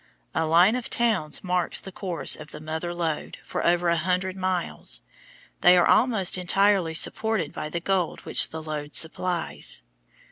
A line of towns marks the course of the Mother Lode for over a hundred miles. They are almost entirely supported by the gold which the lode supplies.